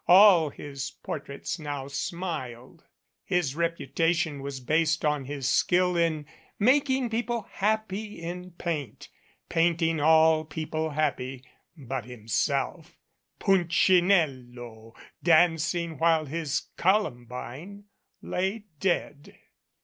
All his portraits now smiled. His reputation was based on his skill in making people happy in paint painting all people happy but himself Ptmchi nello dancing while his Columbine lay dead.